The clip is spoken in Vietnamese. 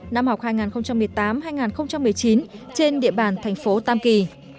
năm học hai nghìn một mươi tám hai nghìn một mươi chín trên địa bàn thành phố tam kỳ